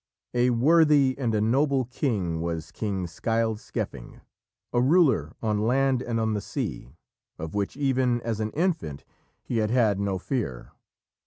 A worthy and a noble king was King Scyld Scefing, a ruler on land and on the sea, of which even as an infant he had had no fear.